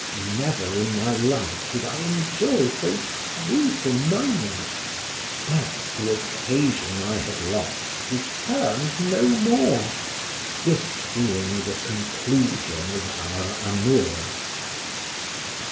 Never in my life did I enjoy so sweet a moment; but the occasion I had lost returned no more, this being the conclusion of our amours.